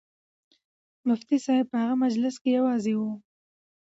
مفتي صاحب په هغه مجلس کې یوازې و.